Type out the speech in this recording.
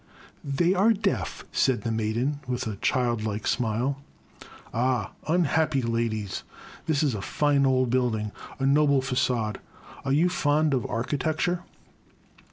" They are deaf," said the maiden, with a child like smile. "Ah, — ^unhappy ladies > This is a fine old 18 274 ^^ Crime. building, a noble fa9ade. Are you fond of archi tecture?''